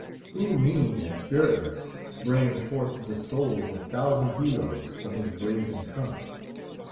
who mean and spiritless, braying forth the souls of thousand heroes from his brazen trump?